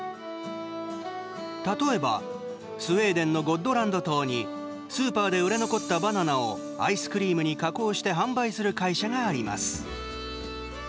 例えば、スウェーデンのゴットランド島にスーパーで売れ残ったバナナをアイスクリームに加工して販売する会社があります。